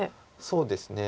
そうですね。